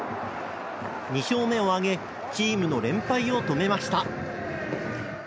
２勝目を挙げチームの連敗を止めました。